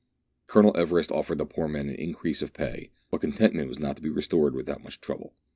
Colonel Everest offered the poor men an increase of pay ; but contentment was not to be restored without much trouble.